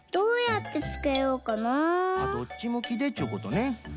どっちむきでっちゅうことね。